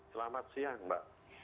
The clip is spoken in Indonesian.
selamat siang mbak